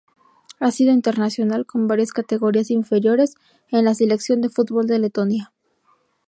Ha sido internacional con varias categorías inferiores de la selección de fútbol de Letonia.